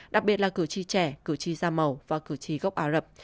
đặc biệt là cử tri trẻ cử tri da màu và cử tri gốc ả rập